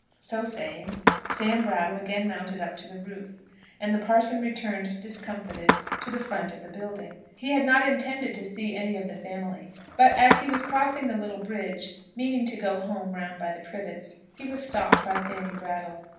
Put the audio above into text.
So saying, Sam Brattle again mounted up to the roof, and the parson returned discomfited to the front of the building. He had not intended to see any of the family, but, as he was crossing the little bridge, meaning to go home round by the Privets, he was stopped by Fanny Brattle.